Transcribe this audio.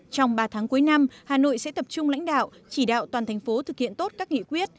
trong ba tháng cuối năm hà nội sẽ tập trung lãnh đạo chỉ đạo toàn thành phố thực hiện tốt các nghị quyết